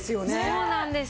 そうなんです。